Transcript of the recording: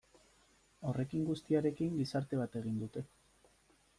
Horrekin guztiarekin gizarte bat egin dute.